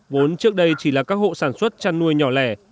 vốn trước đây chỉ là các hộ sản xuất chăn nuôi nhỏ lẻ